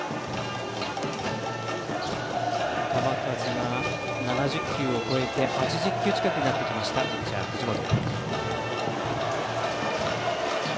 球数が７０球を超えて８０球近くになってきましたピッチャー、藤本。